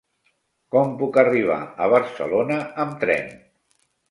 Com puc arribar a Barcelona amb tren?